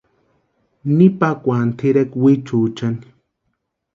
Ni pakwani tʼireka wichuuchani.